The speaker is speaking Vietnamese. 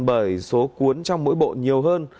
bởi số cuốn trong mỗi bộ nhiều hơn